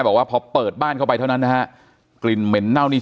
บอกว่าพอเปิดบ้านเข้าไปเท่านั้นนะฮะกลิ่นเหม็นเน่านี่